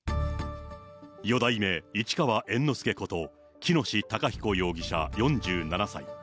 四代目市川猿之助こと喜熨斗孝彦容疑者４７歳。